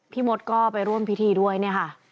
พี่มดก็ไปร่วมพิธีด้วยนะคะ